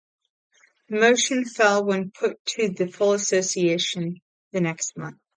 The motion fell when put to the full association the next month.